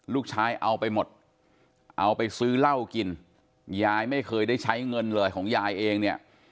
เอาไปหมดเอาไปซื้อเหล้ากินยายไม่เคยได้ใช้เงินเลยของยายเองเนี่ย